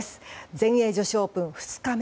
全英女子オープン２日目。